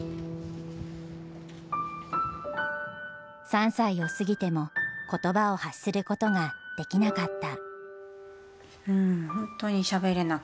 ３歳を過ぎても言葉を発することができなかった。